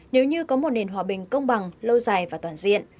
nếu như có một nền hòa bình công bằng lâu dài và toàn diện